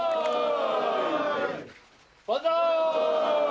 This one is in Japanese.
万歳。